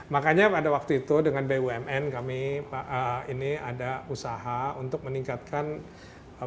makanya pada waktu itu dengan bumn kami ini ada usaha untuk meningkatkan kualitas